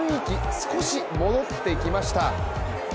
少し戻ってきました。